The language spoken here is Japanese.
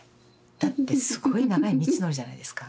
だってすごい長い道のりじゃないですか。